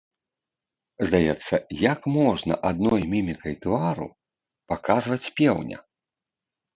Здаецца, як можна адной мімікай твару паказваць пеўня?